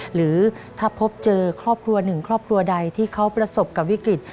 หรือถ้าพบเจอครอบครัวหนึ่งครอบครัวใดที่เขาประสบกับวิกฤต